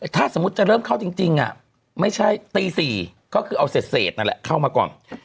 ถ้าสมมุติจะเริ่มเข้าจริงไม่ใช่ตี๔ก็คือเอาเศษนั่นแหละเข้ามาก่อน